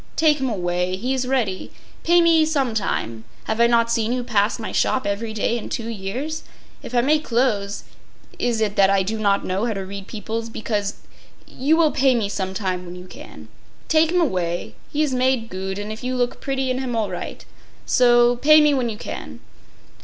Take him away. He is ready. Pay me some time. Haf I not seen you pass mine shop every day in two years? If I make clothes is it that I do not know how to read beoples because? You will pay me some time when you can. Take him away. He is made goot; and if you look bretty in him all right. So. Pay me when you can.